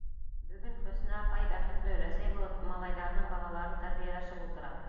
Бөгөн Хөснә апай бәхетле өләсәй булып, малайҙарының балаларын тәрбиәләшеп ултыра.